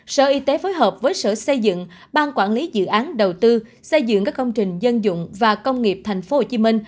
sở y tế phối hợp với sở xây dựng ban quản lý dự án đầu tư xây dựng các công trình dân dụng và công nghiệp tp hcm